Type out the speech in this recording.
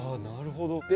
なるほど。